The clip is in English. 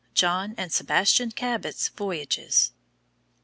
JOHN AND SEBASTIAN CABOT'S VOYAGES.